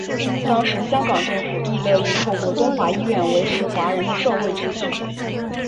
当时香港政府亦乐意透过东华医院维持华人的社会秩序。